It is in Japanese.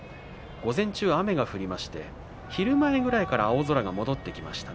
午前中、雨が降りまして昼前ぐらいから青空が戻ってきました。